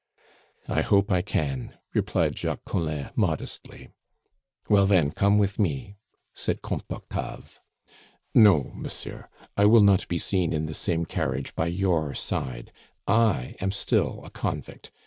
"I hope I can," replied Jacques Collin modestly. "Well, then, come with me," said Comte Octave. "No, monsieur; I will not be seen in the same carriage by your side I am still a convict.